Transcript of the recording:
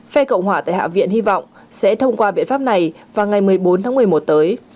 phe cộng hòa tại hạ viện hy vọng sẽ thông qua biện pháp này vào ngày một mươi bốn tháng một mươi một tới